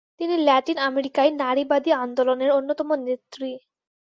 তিনি ল্যাটিন আমেরিকায় নারীবাদী আন্দোলনের অন্যতম নেত্রী।